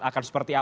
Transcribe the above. akan seperti apa